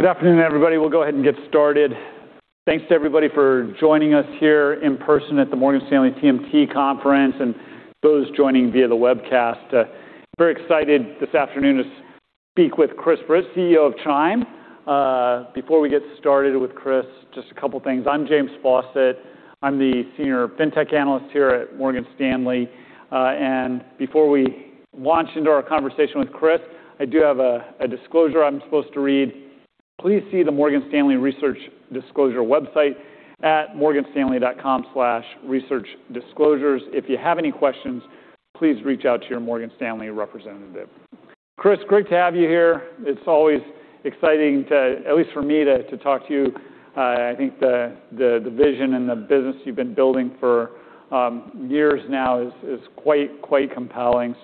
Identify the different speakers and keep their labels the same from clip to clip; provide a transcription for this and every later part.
Speaker 1: Good afternoon, everybody. We'll go ahead and get started. Thanks to everybody for joining us here in person at the Morgan Stanley TMT Conference and those joining via the webcast. Very excited this afternoon to speak with Chris Britt, CEO of Chime. Before we get started with Chris, just a couple of things. I'm James Faucette. I'm the Senior Fintech Analyst here at Morgan Stanley. Before we launch into our conversation with Chris, I do have a disclosure I'm supposed to read. Please see the Morgan Stanley research disclosure website at morganstanley.com/researchdisclosures. If you have any questions, please reach out to your Morgan Stanley representative. Chris, great to have you here. It's always exciting to at least for me to talk to you. I think the vision and the business you've been building for years now is quite compelling.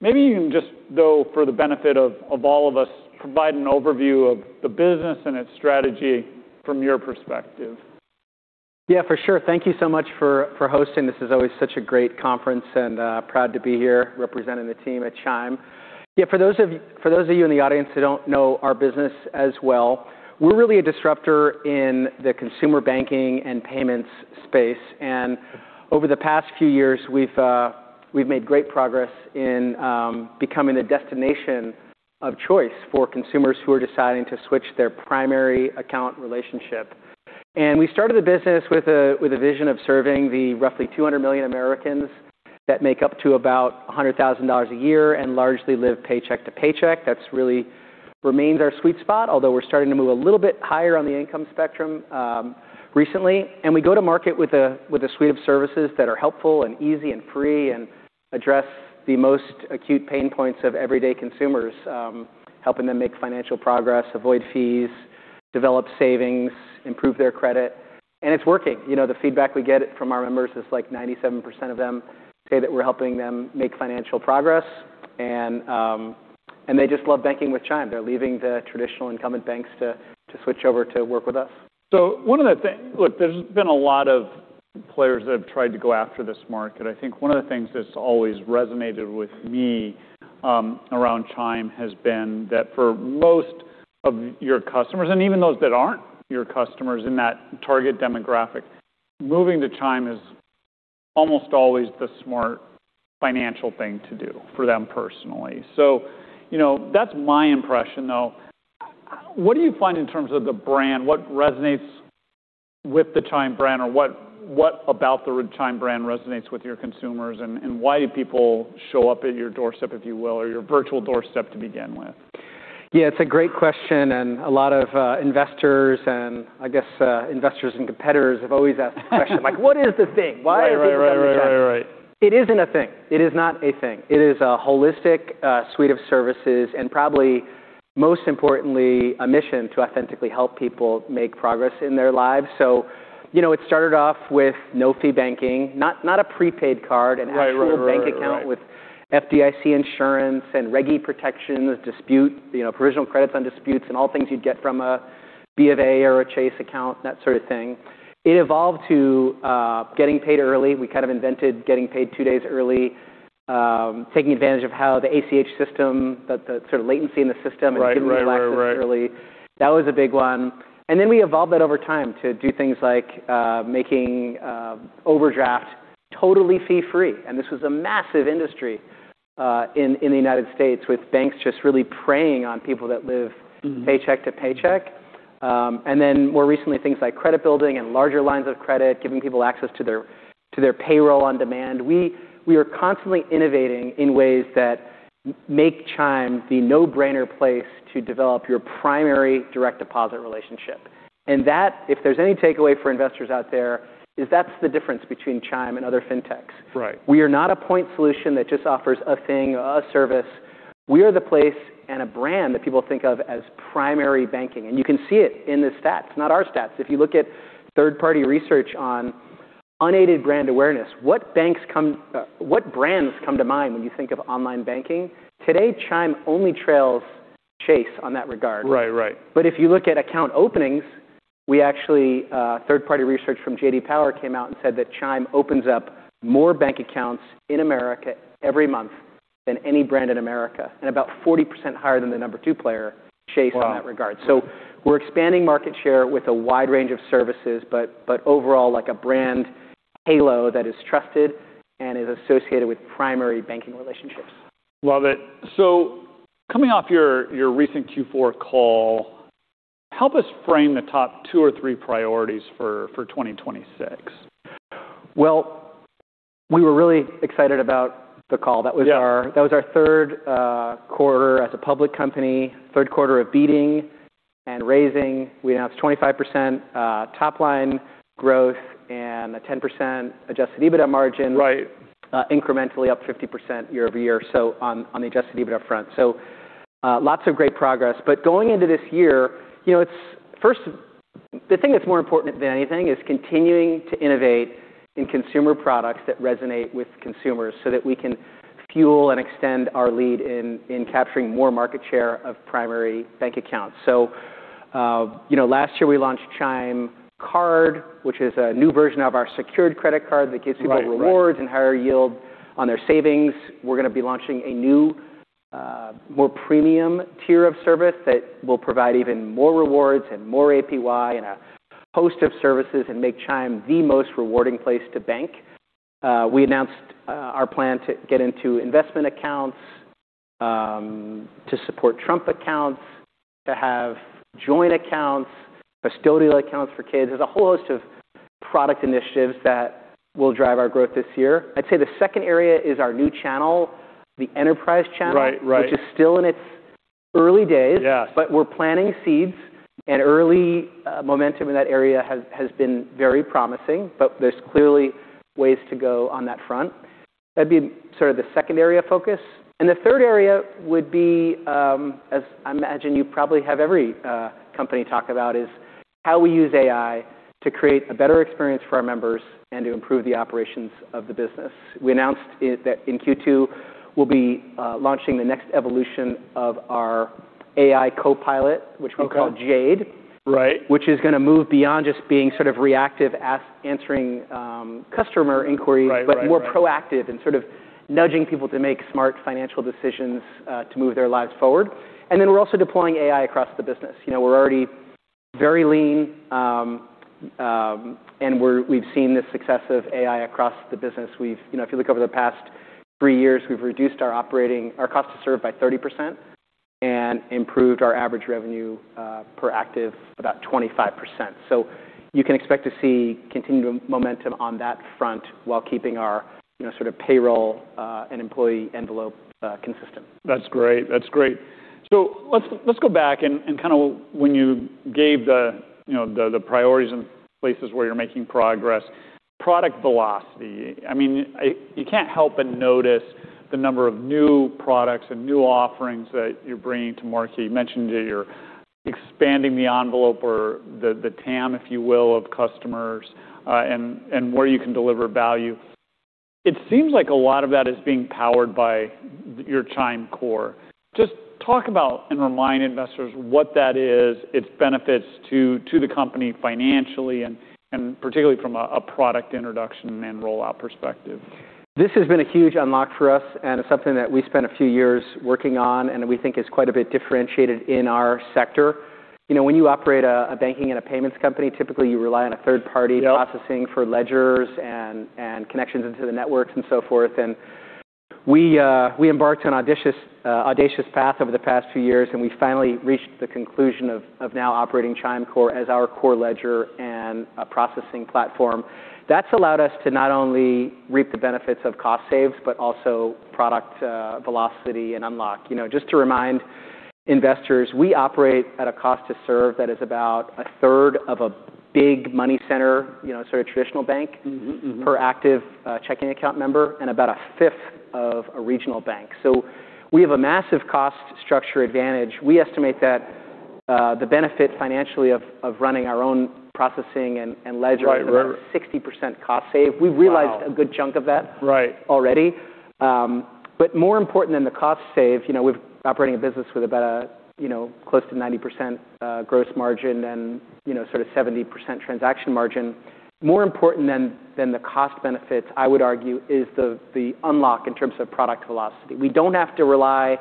Speaker 1: Maybe you can just go for the benefit of all of us, provide an overview of the business and its strategy from your perspective.
Speaker 2: Yeah. For sure. Thank you so much for hosting. This is always such a great conference, and proud to be here representing the team at Chime. For those of you in the audience who don't know our business as well, we're really a disruptor in the consumer banking and payments space. Over the past few years, we've made great progress in becoming a destination of choice for consumers who are deciding to switch their primary account relationship. We started the business with a vision of serving the roughly 200 million Americans that make up to about $100,000 a year and largely live paycheck to paycheck. That's really remains our sweet spot, although we're starting to move a little bit higher on the income spectrum recently. We go to market with a suite of services that are helpful and easy and free and address the most acute pain points of everyday consumers, helping them make financial progress, avoid fees, develop savings, improve their credit. It's working. You know, the feedback we get from our members is like 97% of them say that we're helping them make financial progress. And they just love banking with Chime. They're leaving the traditional incumbent banks to switch over to work with us.
Speaker 1: One of the things. Look, there's been a lot of players that have tried to go after this market. I think one of the things that's always resonated with me, around Chime has been that for most of your customers, and even those that aren't your customers in that target demographic, moving to Chime is almost always the smart financial thing to do for them personally. You know, that's my impression, though. What do you find in terms of the brand? What resonates with the Chime brand? Or what about the Chime brand resonates with your consumers? Why do people show up at your doorstep, if you will, or your virtual doorstep to begin with?
Speaker 2: Yeah, it's a great question. A lot of, investors and I guess, investors and competitors have always asked the question. Like, what is the thing? Why are they
Speaker 1: Right.
Speaker 2: Coming to us?" It isn't a thing. It is not a thing. It is a holistic suite of services and probably most importantly, a mission to authentically help people make progress in their lives. you know, it started off with no-fee banking, not a prepaid card-
Speaker 1: Right.
Speaker 2: an actual bank account with FDIC insurance and Regulation E protection, dispute, you know, provisional credits on disputes, and all things you'd get from a Bank of America or a Chase account, that sort of thing. It evolved to getting paid early. We kind of invented getting paid two days early, taking advantage of how the ACH system, the sort of latency in the system-
Speaker 1: Right.
Speaker 2: and giving people access early. That was a big one. Then we evolved that over time to do things like making overdraft totally fee-free. This was a massive industry in the United States with banks just really preying on people that live paycheck to paycheck. Then more recently, things like credit building and larger lines of credit, giving people access to their payroll on demand. We are constantly innovating in ways that make Chime the no-brainer place to develop your primary direct deposit relationship. That, if there's any takeaway for investors out there, is that's the difference between Chime and other fintechs.
Speaker 1: Right.
Speaker 2: We are not a point solution that just offers a thing or a service. We are the place and a brand that people think of as primary banking. You can see it in the stats, not our stats. If you look at third-party research on unaided brand awareness, what banks come, what brands come to mind when you think of online banking? Today, Chime only trails Chase on that regard.
Speaker 1: Right. Right.
Speaker 2: If you look at account openings, we actually, third-party research from J.D. Power came out and said that Chime opens up more bank accounts in America every month than any brand in America, and about 40% higher than the number two player, Chase.
Speaker 1: Wow
Speaker 2: in that regard. We're expanding market share with a wide range of services, but overall like a brand halo that is trusted and is associated with primary banking relationships.
Speaker 1: Love it. Coming off your recent Q4 call, help us frame the top two or three priorities for 2026.
Speaker 2: Well, we were really excited about the call.
Speaker 1: Yeah.
Speaker 2: That was our third quarter as a public company, third quarter of beating and raising. We announced 25% top line growth and a 10% adjusted EBITDA margin.
Speaker 1: Right
Speaker 2: incrementally up 50% year-over-year, so on the adjusted EBITDA front. Lots of great progress. Going into this year, you know, the thing that's more important than anything is continuing to innovate in consumer products that resonate with consumers so that we can fuel and extend our lead in capturing more market share of primary bank accounts. You know, last year we launched Chime Card, which is a new version of our secured credit card that gives people-
Speaker 1: Right. Right.
Speaker 2: rewards and higher yield on their savings. We're gonna be launching a new, more premium tier of service that will provide even more rewards and more APY and a host of services and make Chime the most rewarding place to bank. We announced our plan to get into investment accounts, to support Trust Accounts, to have joint accounts, custodial accounts for kids. There's a whole host of product initiatives that will drive our growth this year. I'd say the second area is our new channel, the Enterprise Channel.
Speaker 1: Right. Right
Speaker 2: which is still in its early days.
Speaker 1: Yes.
Speaker 2: We're planting seeds and early momentum in that area has been very promising. There's clearly ways to go on that front. That'd be sort of the second area of focus. The third area would be, as I imagine you probably have every company talk about, is how we use AI to create a better experience for our members and to improve the operations of the business. We announced that in Q2 we'll be launching the next evolution of our AI co-pilot.
Speaker 1: Okay
Speaker 2: which we call Jade.
Speaker 1: Right.
Speaker 2: Which is gonna move beyond just being sort of reactive, answering, customer inquiries
Speaker 1: Right.
Speaker 2: but more proactive and sort of nudging people to make smart financial decisions to move their lives forward. Then we're also deploying AI across the business. You know, we're already very lean, and we've seen the success of AI across the business. You know, if you look over the past three years, we've reduced our cost to serve by 30% and improved our average revenue per active about 25%. You can expect to see continued momentum on that front while keeping our, you know, sort of payroll and employee envelope consistent.
Speaker 1: That's great. That's great. Let's go back and kinda when you gave the, you know, the priorities and places where you're making progress. Product velocity, I mean, you can't help but notice the number of new products and new offerings that you're bringing to market. You mentioned that you're expanding the envelope or the TAM, if you will, of customers, and where you can deliver value. It seems like a lot of that is being powered by your Chime Core. Just talk about and remind investors what that is, its benefits to the company financially and particularly from a product introduction and rollout perspective.
Speaker 2: This has been a huge unlock for us, and it's something that we spent a few years working on and we think is quite a bit differentiated in our sector. You know, when you operate a banking and a payments company, typically you rely on a third party.
Speaker 1: Yep
Speaker 2: processing for ledgers and connections into the networks and so forth. We embarked on audacious path over the past few years, and we finally reached the conclusion of now operating Chime Core as our core ledger and a processing platform. That's allowed us to not only reap the benefits of cost saves, but also product velocity and unlock. You know, just to remind investors, we operate at a cost to serve that is about a third of a big money center, you know, sort of traditional bank.
Speaker 1: Mm-hmm. Mm-hmm.
Speaker 2: per active checking account member and about a fifth of a regional bank. We have a massive cost structure advantage. We estimate that the benefit financially of running our own processing and ledger-
Speaker 1: Right. Right
Speaker 2: is about a 60% cost save.
Speaker 1: Wow.
Speaker 2: We've realized a good chunk of that.
Speaker 1: Right
Speaker 2: already. More important than the cost save, you know, we've operating a business with about a, you know, close to 90% gross margin and, you know, sort of 70% transaction margin. More important than the cost benefits, I would argue, is the unlock in terms of product velocity. We don't have to rely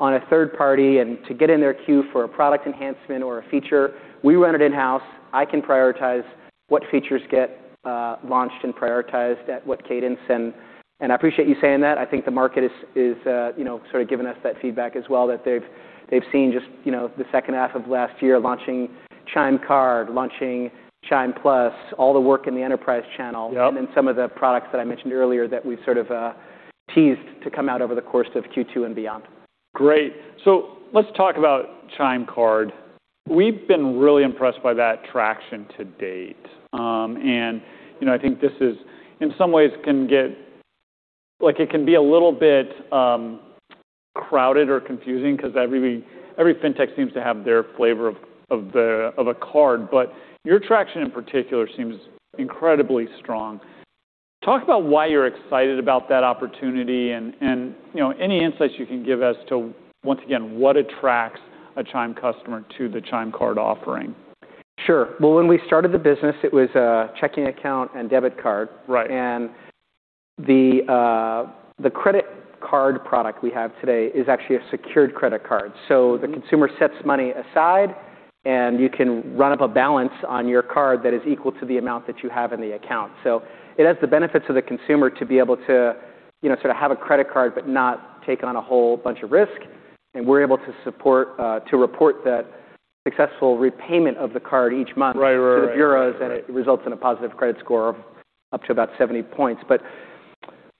Speaker 2: on a third party and to get in their queue for a product enhancement or a feature. We run it in-house. I can prioritize what features get launched and prioritized at what cadence. I appreciate you saying that. I think the market is, you know, sort of giving us that feedback as well that they've seen just, you know, the second half of last year launching Chime Card, launching Chime Plus, all the work in the enterprise channel-
Speaker 1: Yep
Speaker 2: Some of the products that I mentioned earlier that we've sort of teased to come out over the course of Q2 and beyond.
Speaker 1: Great. Let's talk about Chime Card. We've been really impressed by that traction to date. And you know, I think this is in some ways it can be a little bit crowded or confusing because every fintech seems to have their flavor of a card, but your traction in particular seems incredibly strong. Talk about why you're excited about that opportunity and you know, any insights you can give as to, once again, what attracts a Chime customer to the Chime Card offering.
Speaker 2: Sure. Well, when we started the business, it was a checking account and debit card.
Speaker 1: Right.
Speaker 2: The credit card product we have today is actually a secured credit card.
Speaker 1: Mm-hmm.
Speaker 2: The consumer sets money aside, and you can run up a balance on your card that is equal to the amount that you have in the account. It has the benefits of the consumer to be able to, you know, sort of have a credit card but not take on a whole bunch of risk. We're able to support to report that successful repayment of the card each month.
Speaker 1: Right.
Speaker 2: to the bureaus, and it results in a positive credit score of up to about 70 points.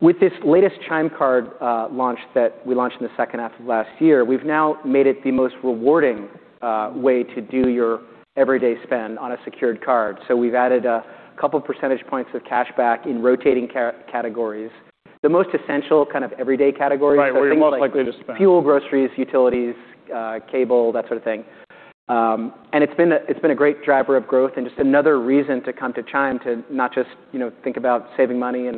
Speaker 2: With this latest Chime Card launch that we launched in the second half of last year, we've now made it the most rewarding way to do your everyday spend on a secured card. We've added a couple percentage points of cash back in rotating categories. The most essential kind of everyday categories.
Speaker 1: Right. Where you're most likely to spend
Speaker 2: so things like fuel, groceries, utilities, cable, that sort of thing. It's been a great driver of growth and just another reason to come to Chime to not just, you know, think about saving money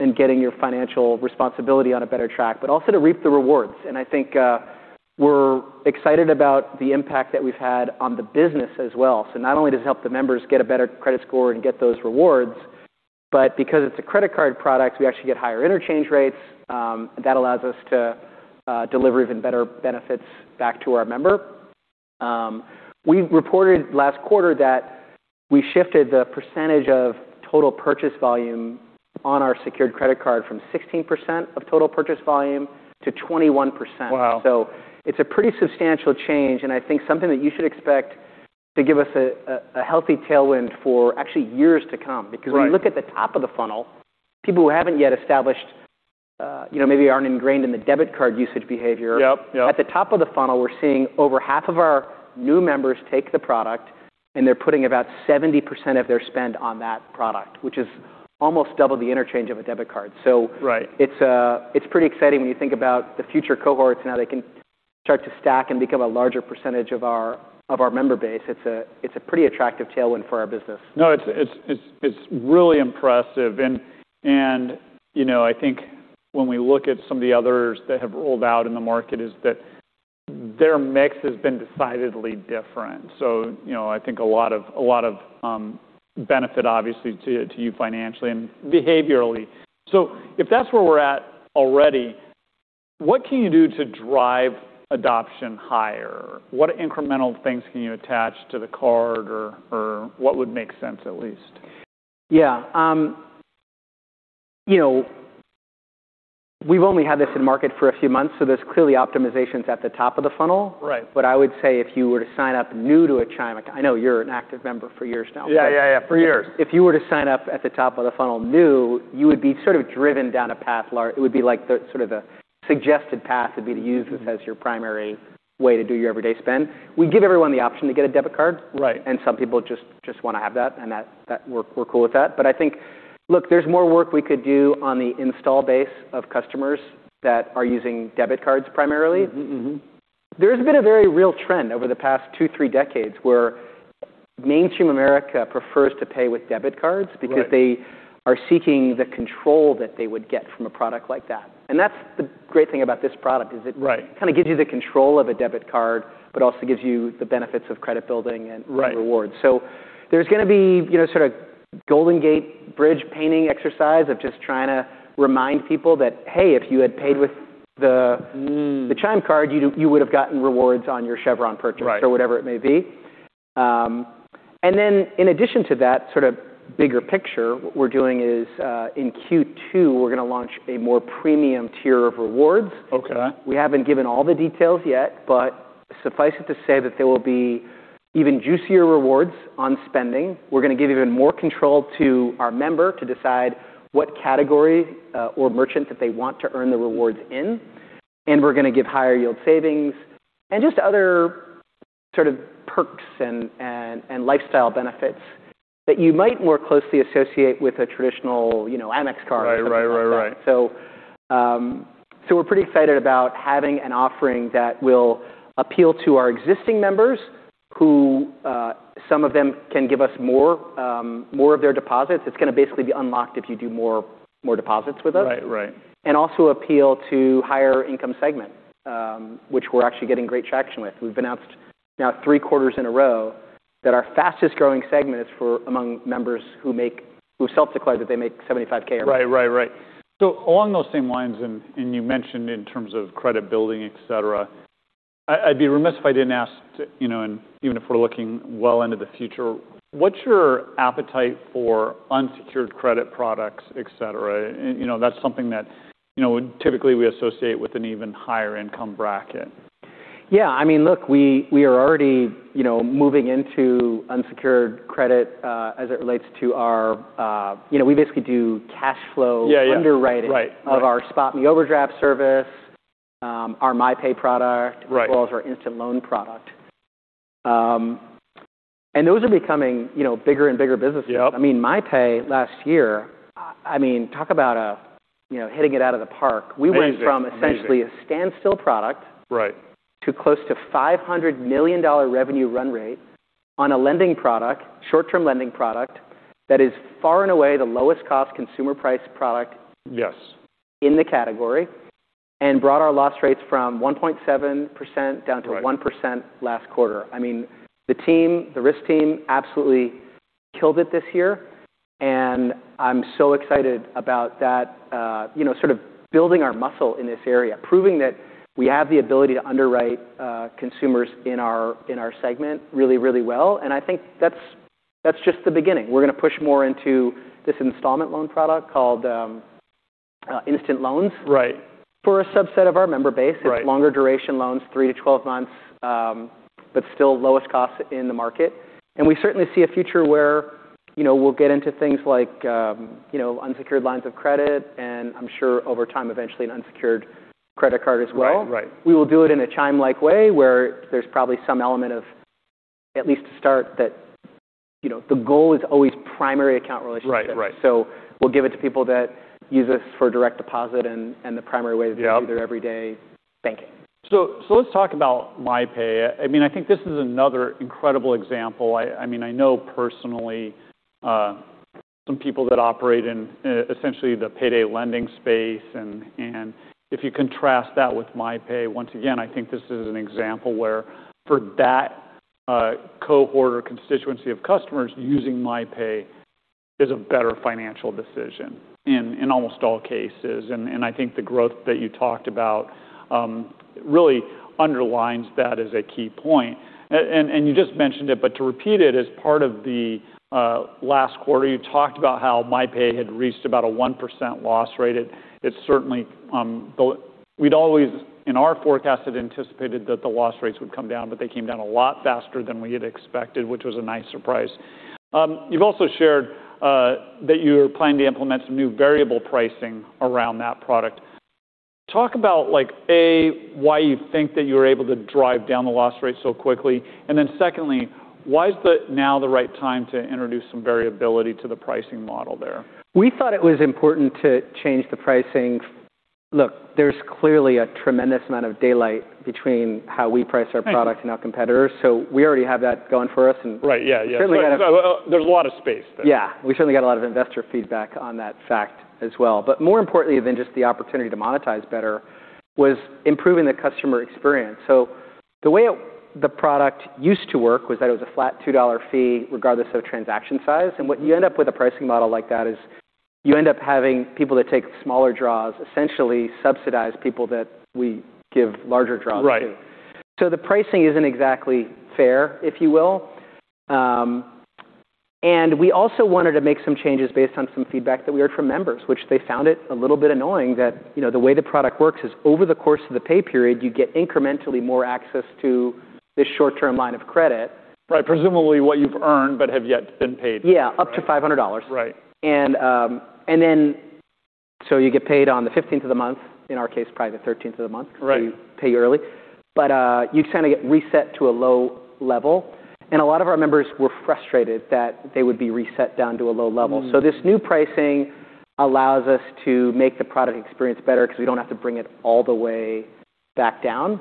Speaker 2: and getting your financial responsibility on a better track, but also to reap the rewards. I think we're excited about the impact that we've had on the business as well. Not only does it help the members get a better credit score and get those rewards, but because it's a credit card product, we actually get higher interchange rates that allows us to deliver even better benefits back to our member. We reported last quarter that we shifted the percentage of total purchase volume on our secured credit card from 16% of total purchase volume to 21%.
Speaker 1: Wow.
Speaker 2: It's a pretty substantial change, and I think something that you should expect to give us a healthy tailwind for actually years to come.
Speaker 1: Right.
Speaker 2: When you look at the top of the funnel, people who haven't yet established, you know, maybe aren't ingrained in the debit card usage behavior.
Speaker 1: Yep, yep.
Speaker 2: At the top of the funnel, we're seeing over half of our new members take the product, and they're putting about 70% of their spend on that product, which is almost double the interchange of a debit card.
Speaker 1: Right.
Speaker 2: It's pretty exciting when you think about the future cohorts and how they can start to stack and become a larger percentage of our member base. It's a pretty attractive tailwind for our business.
Speaker 1: No, it's really impressive. You know, I think when we look at some of the others that have rolled out in the market is that their mix has been decidedly different. You know, I think a lot of benefit obviously to you financially and behaviorally. If that's where we're at already, what can you do to drive adoption higher? What incremental things can you attach to the card or what would make sense at least?
Speaker 2: Yeah. you know, we've only had this in market for a few months, so there's clearly optimizations at the top of the funnel.
Speaker 1: Right.
Speaker 2: I would say if you were to sign up new to a Chime, I know you're an active member for years now.
Speaker 1: Yeah, yeah. For years.
Speaker 2: If you were to sign up at the top of the funnel new, you would be sort of driven down a path it would be like the sort of a suggested path would be to use this as your primary way to do your everyday spend. We give everyone the option to get a debit card.
Speaker 1: Right.
Speaker 2: Some people just wanna have that. We're cool with that. I think, look, there's more work we could do on the install base of customers that are using debit cards primarily.
Speaker 1: Mm-hmm, mm-hmm.
Speaker 2: There's been a very real trend over the past two, three decades where mainstream America prefers to pay with debit cards.
Speaker 1: Right.
Speaker 2: They are seeking the control that they would get from a product like that. That's the great thing about this product is.
Speaker 1: Right.
Speaker 2: Kind of gives you the control of a debit card, but also gives you the benefits of credit building.
Speaker 1: Right.
Speaker 2: Rewards. There's gonna be, you know, sort of Golden Gate Bridge painting exercise of just trying to remind people that, "Hey, if you had paid with the-
Speaker 1: Mm.
Speaker 2: The Chime Card, you would've gotten rewards on your Chevron purchase...
Speaker 1: Right.
Speaker 2: Whatever it may be. In addition to that sort of bigger picture, what we're doing is, in Q2, we're gonna launch a more premium tier of rewards.
Speaker 1: Okay.
Speaker 2: We haven't given all the details yet, suffice it to say that there will be even juicier rewards on spending. We're gonna give even more control to our member to decide what category, or merchant that they want to earn the rewards in, and we're gonna give higher yield savings and just other sort of perks and lifestyle benefits that you might more closely associate with a traditional, you know, Amex card or something like that.
Speaker 1: Right. Right. Right. Right.
Speaker 2: We're pretty excited about having an offering that will appeal to our existing members who, some of them can give us more of their deposits. It's gonna basically be unlocked if you do more deposits with us.
Speaker 1: Right. Right.
Speaker 2: Also appeal to higher income segment, which we're actually getting great traction with. We've announced now three quarters in a row that our fastest growing segment is for among members who self-declare that they make $75K or more.
Speaker 1: Right. Right. Right. Along those same lines, and you mentioned in terms of credit building, et cetera, I'd be remiss if I didn't ask to, you know, and even if we're looking well into the future, what's your appetite for unsecured credit products, et cetera? You know, that's something that, you know, would typically we associate with an even higher income bracket.
Speaker 2: Yeah. I mean, look, we are already, you know, moving into unsecured credit, as it relates to our, You know, we basically do cash flow-.
Speaker 1: Yeah. Yeah.
Speaker 2: Underwriting-
Speaker 1: Right.
Speaker 2: Of our SpotMe overdraft service, our MyPay.
Speaker 1: Right.
Speaker 2: As well as our Instant Loans product. Those are becoming, you know, bigger and bigger businesses.
Speaker 1: Yep.
Speaker 2: I mean, MyPay last year, I mean, talk about, you know, hitting it out of the park.
Speaker 1: Amazing. Amazing.
Speaker 2: We went from essentially a standstill product-
Speaker 1: Right.
Speaker 2: To close to $500 million revenue run rate on a lending product, short-term lending product that is far and away the lowest cost consumer price product.
Speaker 1: Yes.
Speaker 2: In the category, and brought our loss rates from 1.7% down to-
Speaker 1: Right.
Speaker 2: 1% last quarter. I mean, the team, the risk team absolutely killed it this year, and I'm so excited about that, you know, sort of building our muscle in this area, proving that we have the ability to underwrite consumers in our, in our segment really, really well, and I think that's just the beginning. We're gonna push more into this installment loan product called Instant Loans-
Speaker 1: Right.
Speaker 2: For a subset of our member base.
Speaker 1: Right.
Speaker 2: It's longer duration loans, three to 12 months, but still lowest cost in the market. We certainly see a future where, you know, we'll get into things like, you know, unsecured lines of credit and I'm sure over time, eventually an unsecured credit card as well.
Speaker 1: Right, right.
Speaker 2: We will do it in a Chime-like way, where there's probably some element of at least to start that, you know, the goal is always primary account relationship.
Speaker 1: Right. Right.
Speaker 2: We'll give it to people that use us for direct deposit.
Speaker 1: Yeah.
Speaker 2: To do their everyday banking.
Speaker 1: Let's talk about MyPay. I mean, I think this is another incredible example. I mean, I know personally, Some people that operate in essentially the payday lending space and if you contrast that with MyPay, once again, I think this is an example where for that cohort or constituency of customers using MyPay is a better financial decision in almost all cases. I think the growth that you talked about, really underlines that as a key point. You just mentioned it, but to repeat it, as part of the last quarter, you talked about how MyPay had reached about a 1% loss rate. It certainly, We'd always, in our forecast, had anticipated that the loss rates would come down. They came down a lot faster than we had expected, which was a nice surprise. You've also shared that you plan to implement some new variable pricing around that product. Talk about like, A, why you think that you're able to drive down the loss rate so quickly, secondly, why is now the right time to introduce some variability to the pricing model there?
Speaker 2: We thought it was important to change the pricing. There's clearly a tremendous amount of daylight between how we price our product.
Speaker 1: Right.
Speaker 2: Our competitors, so we already have that going for us.
Speaker 1: Right. Yeah. Yeah.
Speaker 2: Certainly.
Speaker 1: There's a lot of space there.
Speaker 2: Yeah. We certainly got a lot of investor feedback on that fact as well. More importantly than just the opportunity to monetize better was improving the customer experience. The way the product used to work was that it was a flat $2 fee regardless of transaction size. What you end up with a pricing model like that is you end up having people that take smaller draws, essentially subsidize people that we give larger draws to.
Speaker 1: Right.
Speaker 2: The pricing isn't exactly fair, if you will. We also wanted to make some changes based on some feedback that we heard from members, which they found it a little bit annoying that, you know, the way the product works is over the course of the pay period, you get incrementally more access to this short-term line of credit.
Speaker 1: Right. Presumably what you've earned but have yet been paid.
Speaker 2: Yeah. Up to $500.
Speaker 1: Right.
Speaker 2: You get paid on the 15th of the month, in our case, probably the 13th of the month.
Speaker 1: Right.
Speaker 2: because we pay you early. You kind of get reset to a low level. A lot of our members were frustrated that they would be reset down to a low level.
Speaker 1: Mm-hmm.
Speaker 2: This new pricing allows us to make the product experience better because we don't have to bring it all the way back down.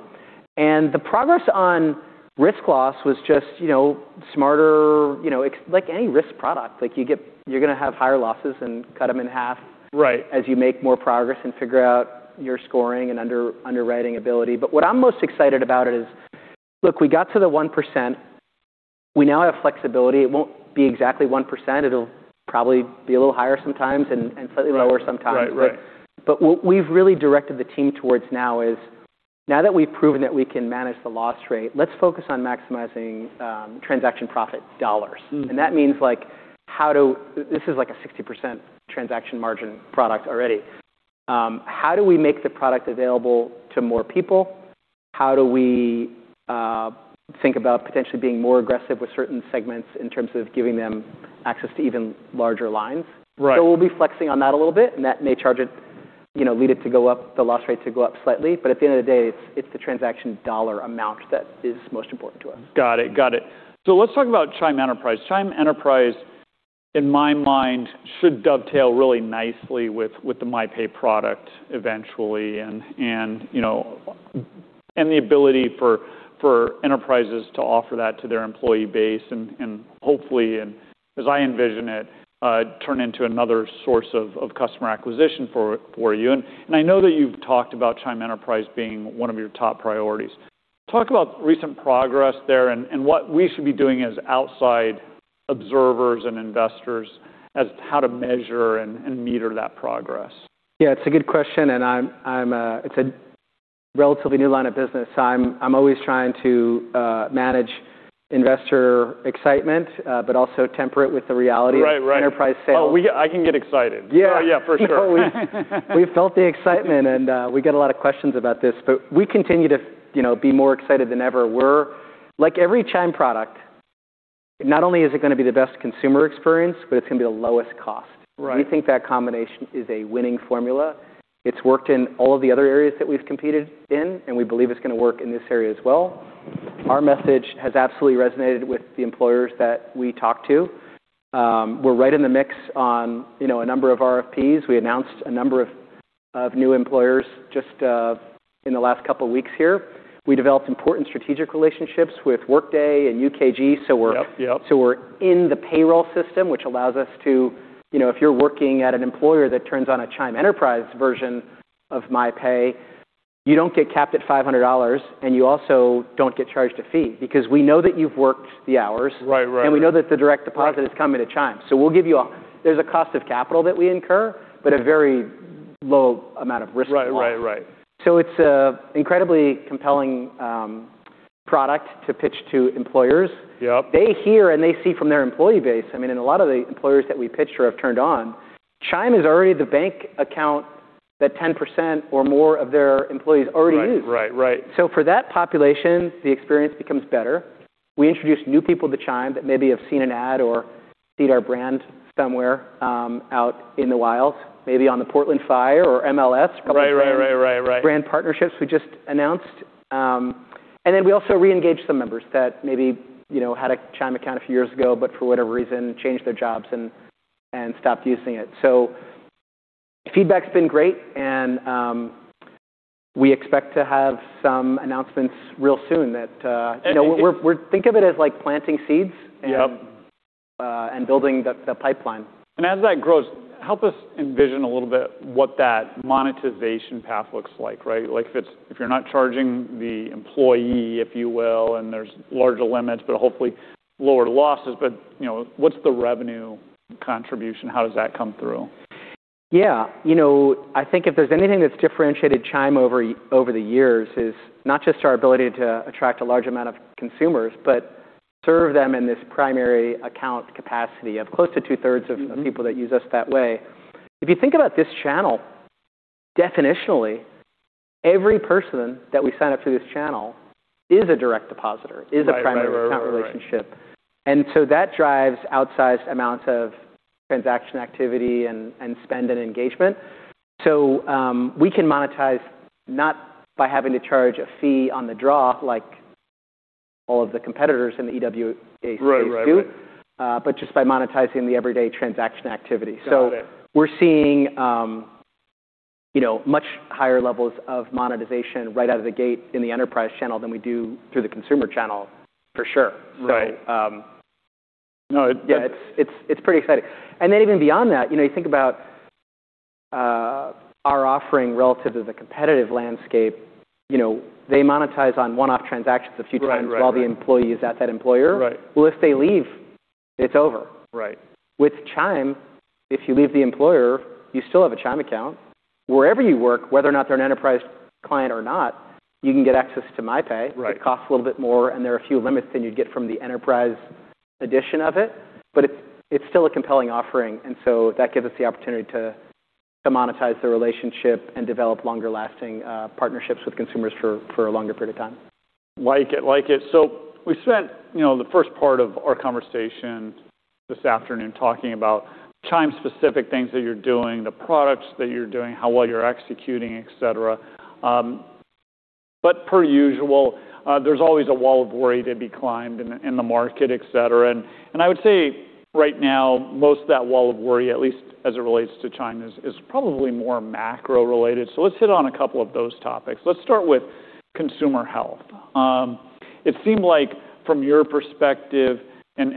Speaker 2: The progress on risk loss was just, you know, smarter, you know, it's like any risk product. Like, you're gonna have higher losses and cut them in half.
Speaker 1: Right.
Speaker 2: as you make more progress and figure out your scoring and underwriting ability. What I'm most excited about is, look, we got to the 1%. We now have flexibility. It won't be exactly 1%. It'll probably be a little higher sometimes and slightly lower sometimes.
Speaker 1: Right. Right. Right.
Speaker 2: What we've really directed the team towards now is now that we've proven that we can manage the loss rate, let's focus on maximizing transaction profit dollars.
Speaker 1: Mm-hmm.
Speaker 2: That means, like, This is like a 60% transaction margin product already. How do we make the product available to more people? How do we think about potentially being more aggressive with certain segments in terms of giving them access to even larger lines?
Speaker 1: Right.
Speaker 2: We'll be flexing on that a little bit, and that may charge it, you know, lead it to go up, the loss rate to go up slightly. At the end of the day, it's the transaction dollar amount that is most important to us.
Speaker 1: Got it. Got it. Let's talk about Chime Enterprise. Chime Enterprise, in my mind, should dovetail really nicely with the MyPay product eventually and, you know, and the ability for enterprises to offer that to their employee base and hopefully, and as I envision it, turn into another source of customer acquisition for you. I know that you've talked about Chime Enterprise being one of your top priorities. Talk about recent progress there and what we should be doing as outside observers and investors as how to measure and meter that progress.
Speaker 2: Yeah, it's a good question, and I'm. It's a relatively new line of business. I'm always trying to manage investor excitement, but also temper it with the reality.
Speaker 1: Right. Right.
Speaker 2: -of enterprise sales.
Speaker 1: Oh, I can get excited.
Speaker 2: Yeah.
Speaker 1: Yeah. For sure.
Speaker 2: We felt the excitement, and we get a lot of questions about this, but we continue to, you know, be more excited than ever. Like every Chime product, not only is it gonna be the best consumer experience, but it's gonna be the lowest cost.
Speaker 1: Right.
Speaker 2: We think that combination is a winning formula. It's worked in all of the other areas that we've competed in, and we believe it's gonna work in this area as well. Our message has absolutely resonated with the employers that we talk to. We're right in the mix on, you know, a number of RFPs. We announced a number of new employers just in the last couple of weeks here. We developed important strategic relationships with Workday and UKG.
Speaker 1: Yep. Yep.
Speaker 2: We're in the payroll system, which allows us to, you know, if you're working at an employer that turns on a Chime Enterprise version of MyPay, you don't get capped at $500, and you also don't get charged a fee because we know that you've worked the hours.
Speaker 1: Right. Right.
Speaker 2: We know that the direct deposit.
Speaker 1: Right.
Speaker 2: is coming to Chime. There's a cost of capital that we incur, but a very low amount of risk involved.
Speaker 1: Right. Right. Right.
Speaker 2: It's an incredibly compelling product to pitch to employers.
Speaker 1: Yep.
Speaker 2: They hear and they see from their employee base, I mean, and a lot of the employers that we pitched or have turned on, Chime is already the bank account that 10% or more of their employees already use.
Speaker 1: Right. Right. Right.
Speaker 2: For that population, the experience becomes better. We introduce new people to Chime that maybe have seen an ad or seen our brand somewhere out in the wild, maybe on the Portland Fire or MLS.
Speaker 1: Right.
Speaker 2: A couple brand partnerships we just announced. We also re-engage some members that maybe, you know, had a Chime account a few years ago, but for whatever reason, changed their jobs and stopped using it. Feedback's been great and we expect to have some announcements real soon that, you know, think of it as like planting seeds.
Speaker 1: Yep.
Speaker 2: building the pipeline.
Speaker 1: As that grows, help us envision a little bit what that monetization path looks like, right? If you're not charging the employee, if you will, and there's larger limits, but hopefully lower losses. you know, what's the revenue contribution? How does that come through?
Speaker 2: You know, I think if there's anything that's differentiated Chime over the years is not just our ability to attract a large amount of consumers, but serve them in this primary account capacity of close to two-thirds of...
Speaker 1: Mm-hmm.
Speaker 2: The people that use us that way. If you think about this channel, definitionally, every person that we sign up through this channel is a direct depositor.
Speaker 1: Right. Right.
Speaker 2: Is a primary account relationship. That drives outsized amounts of transaction activity and spend and engagement. We can monetize not by having to charge a fee on the draw like all of the competitors in the EWA space do.
Speaker 1: Right. Right, right.
Speaker 2: just by monetizing the everyday transaction activity.
Speaker 1: Got it.
Speaker 2: We're seeing, you know, much higher levels of monetization right out of the gate in the enterprise channel than we do through the consumer channel for sure.
Speaker 1: Right.
Speaker 2: Um.
Speaker 1: No.
Speaker 2: Yeah. It's pretty exciting. Even beyond that, you know, you think about our offering relative to the competitive landscape. You know, they monetize on one-off transactions a few times.
Speaker 1: Right. Right, right.
Speaker 2: while the employee is at that employer.
Speaker 1: Right.
Speaker 2: Well, if they leave, it's over.
Speaker 1: Right.
Speaker 2: With Chime, if you leave the employer, you still have a Chime account. Wherever you work, whether or not they're an enterprise client or not, you can get access to MyPay.
Speaker 1: Right.
Speaker 2: It costs a little bit more, and there are a few limits than you'd get from the enterprise edition of it, but it's still a compelling offering. That gives us the opportunity to monetize the relationship and develop longer-lasting partnerships with consumers for a longer period of time.
Speaker 1: Like it. Like it. We spent, you know, the first part of our conversation this afternoon talking about Chime-specific things that you're doing, the products that you're doing, how well you're executing, et cetera. Per usual, there's always a wall of worry to be climbed in the, in the market, et cetera. I would say right now, most of that wall of worry, at least as it relates to Chime, is probably more macro-related. Let's hit on a couple of those topics. Let's start with consumer health. It seemed like from your perspective and,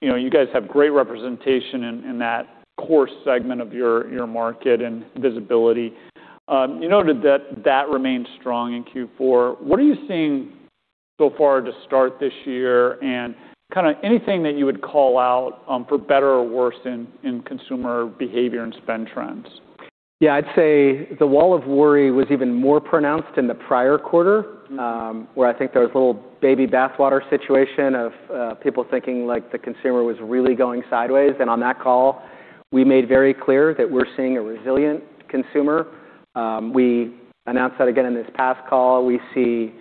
Speaker 1: you know, you guys have great representation in that core segment of your market and visibility. You noted that remained strong in Q4. What are you seeing so far to start this year and kinda anything that you would call out, for better or worse in consumer behavior and spend trends?
Speaker 2: Yeah. I'd say the wall of worry was even more pronounced in the prior quarter.
Speaker 1: Mm-hmm.
Speaker 2: Where I think there was a little baby bathwater situation of people thinking, like, the consumer was really going sideways. On that call, we made very clear that we're seeing a resilient consumer. We announced that again in this past call. We see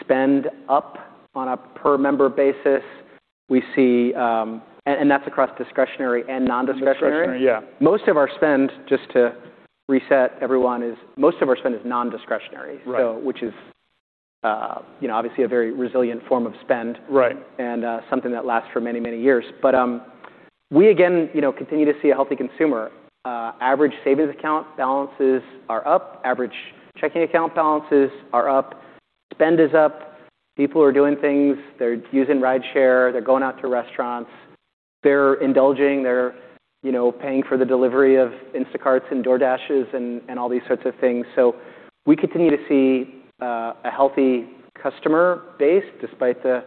Speaker 2: spend up on a per member basis. We see, and that's across discretionary and non-discretionary.
Speaker 1: Discretionary, yeah.
Speaker 2: Most of our spend, just to reset everyone, is non-discretionary.
Speaker 1: Right.
Speaker 2: which is, you know, obviously a very resilient form of spend.
Speaker 1: Right.
Speaker 2: Something that lasts for many, many years. We again, you know, continue to see a healthy consumer. Average savings account balances are up. Average checking account balances are up. Spend is up. People are doing things. They're using rideshare. They're going out to restaurants. They're indulging. They're, you know, paying for the delivery of Instacarts and DoorDashes and all these sorts of things. We continue to see a healthy customer base despite the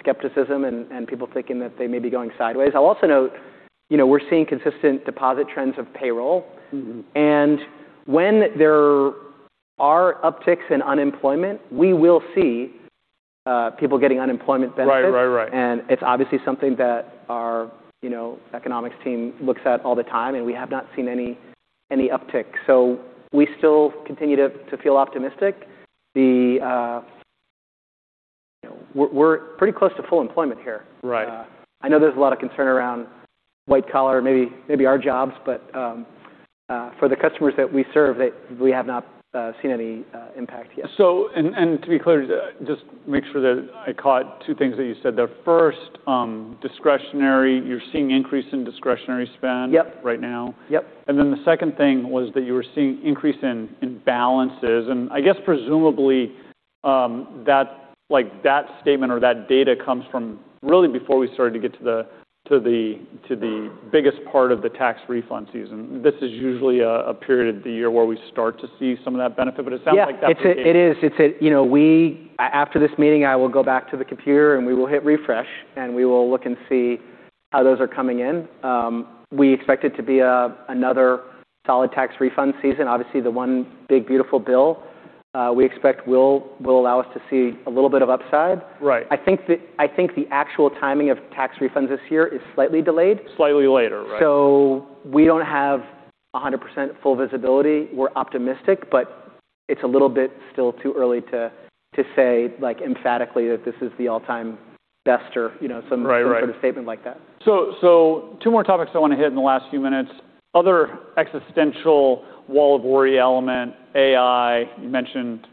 Speaker 2: skepticism and people thinking that they may be going sideways. I'll also note, you know, we're seeing consistent deposit trends of payroll.
Speaker 1: Mm-hmm.
Speaker 2: When there are upticks in unemployment, we will see people getting unemployment benefits.
Speaker 1: Right. Right. Right.
Speaker 2: It's obviously something that our, you know, economics team looks at all the time, and we have not seen any uptick. We still continue to feel optimistic. We're pretty close to full employment here.
Speaker 1: Right.
Speaker 2: I know there's a lot of concern around white collar, maybe our jobs, but for the customers that we serve, that we have not seen any impact yet.
Speaker 1: To be clear, just make sure that I caught two things that you said there. First, discretionary, you're seeing increase in discretionary spend-?
Speaker 2: Yep.
Speaker 1: right now.
Speaker 2: Yep.
Speaker 1: The second thing was that you were seeing increase in balances. I guess presumably, that statement or that data comes from really before we started to get to the biggest part of the tax refund season. This is usually a period of the year where we start to see some of that benefit. It sounds like that's the case.
Speaker 2: Yeah. It's, it is. You know, we after this meeting, I will go back to the computer, and we will hit refresh, and we will look and see how those are coming in. We expect it to be another solid tax refund season. Obviously, the One Big Beautiful Bill, we expect will allow us to see a little bit of upside.
Speaker 1: Right.
Speaker 2: I think the actual timing of tax refunds this year is slightly delayed.
Speaker 1: Slightly later, right.
Speaker 2: We don't have 100% full visibility. We're optimistic, but it's a little bit still too early to say, like, emphatically that this is the all-time best or, you know.
Speaker 1: Right. Right.
Speaker 2: some sort of statement like that.
Speaker 1: Two more topics I want to hit in the last few minutes. Other existential wall of worry element, AI, you mentioned.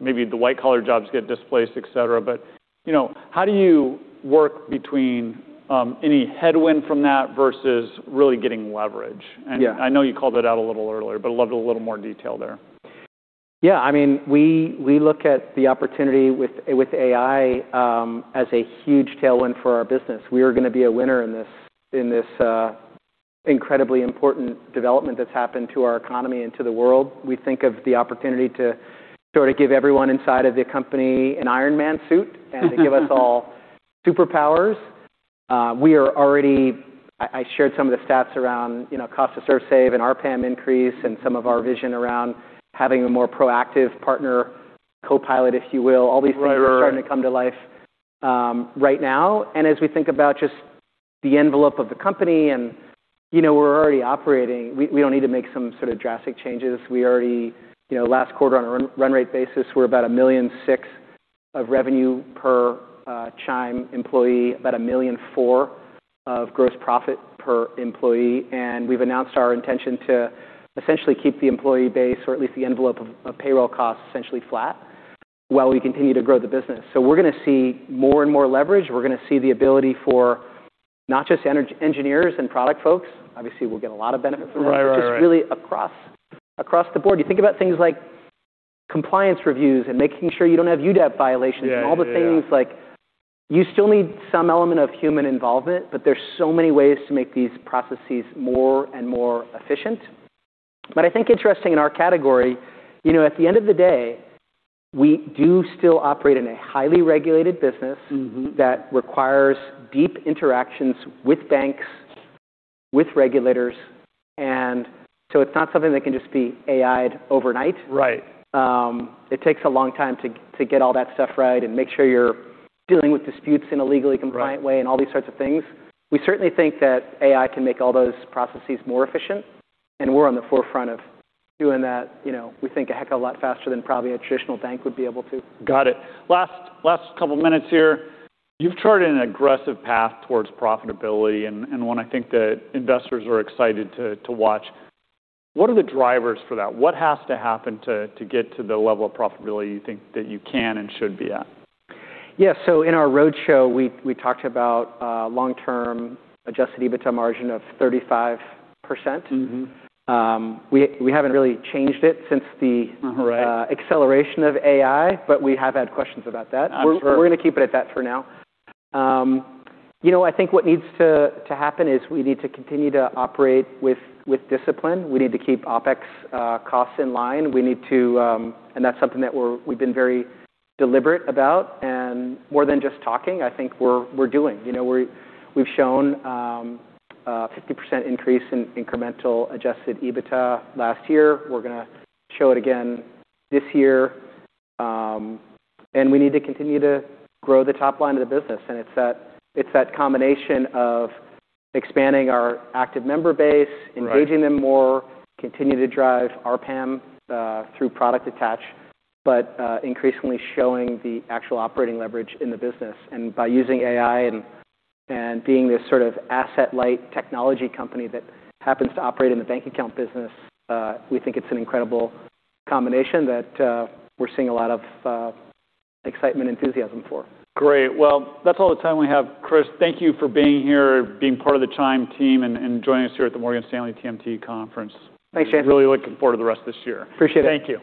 Speaker 1: Maybe the white-collar jobs get displaced, et cetera. You know, how do you work between any headwind from that versus really getting leverage?
Speaker 2: Yeah.
Speaker 1: I know you called it out a little earlier, but I'd love a little more detail there.
Speaker 2: Yeah. I mean, we look at the opportunity with AI, as a huge tailwind for our business. We are gonna be a winner in this, in this, incredibly important development that's happened to our economy and to the world. We think of the opportunity to sort of give everyone inside of the company an Iron Man suit and to give us all superpowers. We are already. I shared some of the stats around, you know, cost to serve save and RPAM increase and some of our vision around having a more proactive partner, co-pilot, if you will.
Speaker 1: Right. Right. Right.
Speaker 2: All these things are starting to come to life right now. As we think about just the envelope of the company, you know, we're already operating. We don't need to make some sort of drastic changes. We already You know, last quarter on a run-rate basis, we're about $1.6 million of revenue per Chime employee, about $1.4 million of gross profit per employee. We've announced our intention to essentially keep the employee base, or at least the envelope of payroll costs, essentially flat while we continue to grow the business. We're gonna see more and more leverage. We're gonna see the ability for not just engineers and product folks. Obviously, we'll get a lot of benefit from that.
Speaker 1: Right. Right. Right.
Speaker 2: Just really across the board. You think about things like compliance reviews and making sure you don't have UDAAP violations.
Speaker 1: Yeah. Yeah. Yeah.
Speaker 2: All the things like. You still need some element of human involvement, but there's so many ways to make these processes more and more efficient. I think interesting in our category, you know, at the end of the day, we do still operate in a highly regulated business.
Speaker 1: Mm-hmm
Speaker 2: that requires deep interactions with banks, with regulators, and so it's not something that can just be AI'd overnight.
Speaker 1: Right.
Speaker 2: It takes a long time to get all that stuff right and make sure you're dealing with disputes in a legally compliant way.
Speaker 1: Right
Speaker 2: All these sorts of things. We certainly think that AI can make all those processes more efficient, and we're on the forefront of doing that, you know, we think a heck of a lot faster than probably a traditional bank would be able to.
Speaker 1: Got it. Last couple minutes here. You've charted an aggressive path towards profitability and one I think that investors are excited to watch. What are the drivers for that? What has to happen to get to the level of profitability you think that you can and should be at?
Speaker 2: Yeah. In our roadshow, we talked about long-term adjusted EBITDA margin of 35%.
Speaker 1: Mm-hmm.
Speaker 2: We haven't really changed it since.
Speaker 1: Uh-huh. Right.
Speaker 2: acceleration of AI. We have had questions about that.
Speaker 1: I'm sure.
Speaker 2: We're gonna keep it at that for now. You know, I think what needs to happen is we need to continue to operate with discipline. We need to keep OpEx costs in line. We need to. That's something that we've been very deliberate about. More than just talking, I think we're doing. You know, we've shown a 50% increase in incremental adjusted EBITDA last year. We're gonna show it again this year. We need to continue to grow the top line of the business. It's that combination of expanding our active member base-
Speaker 1: Right
Speaker 2: engaging them more, continue to drive RPAM, through product attach, but, increasingly showing the actual operating leverage in the business. By using AI and being this sort of asset-light technology company that happens to operate in the bank account business, we think it's an incredible combination that, we're seeing a lot of, excitement, enthusiasm for.
Speaker 1: Great. Well, that's all the time we have. Chris, thank you for being here, being part of the Chime team and joining us here at the Morgan Stanley TMT Conference.
Speaker 2: Thanks, James.
Speaker 1: Really looking forward to the rest of this year.
Speaker 2: Appreciate it.
Speaker 1: Thank you.